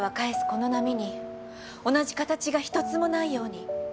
この波に同じ形が一つもないように。